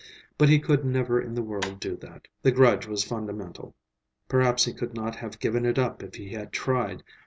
But he could never in the world do that. The grudge was fundamental. Perhaps he could not have given it up if he had tried.